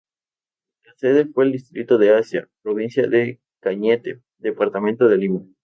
La sede fue el distrito de Asia, provincia de Cañete, departamento de Lima.